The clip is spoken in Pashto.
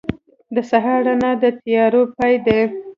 • د سهار رڼا د تیارو پای دی.